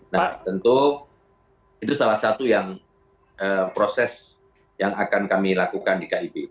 nah tentu itu salah satu yang proses yang akan kami lakukan di kib